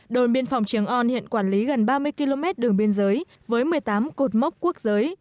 đồn biên phòng trường on hiện quản lý gần ba mươi km đường biên giới với một mươi tám cột mốc quốc giới